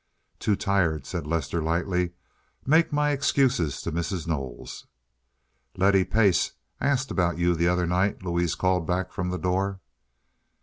"Too tired," said Lester lightly. "Make my excuses to Mrs. Knowles." "Letty Pace asked about you the other night," Louise called back from the door.